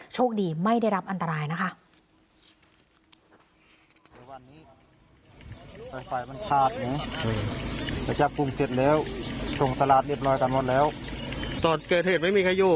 โชคดีไม่ได้รับอันตรายนะคะ